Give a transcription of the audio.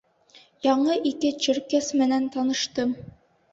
Яңы ике черкес менән таныштым.